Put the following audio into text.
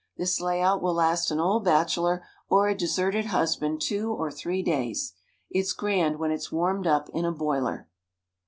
This layout will last an old bachelor or a deserted husband two or three days. It's grand when it's warmed up in a boiler.